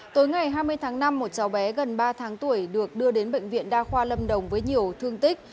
tối ngày hai mươi tháng năm một cháu bé gần ba tháng tuổi được đưa đến bệnh viện đa khoa lâm đồng với nhiều thương tích